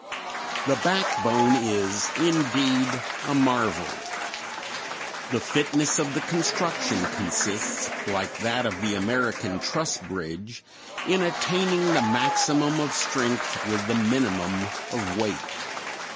The backbone is indeed a marvel. The fitness of the construction consists, like that of the American truss bridge, in attaining the maximum of strength with the minimum of weight.